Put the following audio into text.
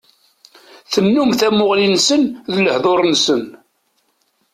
Tennum tamuɣli-nsen d lehdur-nsen.